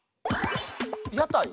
屋台？